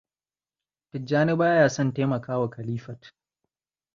Tijjani baya son taimakawa Khalifat.